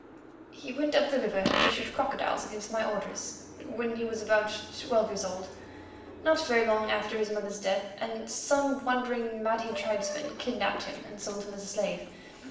"He went up the river to shoot crocodiles against my orders, when he was about twelve years old—not very long after his mother's death, and some wandering Mahdi tribesmen kidnapped him and sold him as a slave.